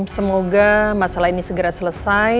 semoga masalah ini segera selesai